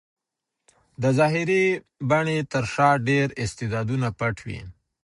د ظاهري بڼې تر شا ډېر استعدادونه پټ وي.